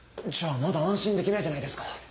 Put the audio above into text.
じゃあまだ安心できないじゃないですか。